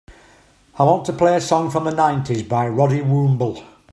I want to play a song from the nineties by Roddy Woomble